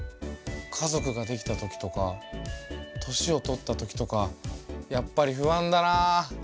家族ができたときとか年を取ったときとかやっぱり不安だなあ。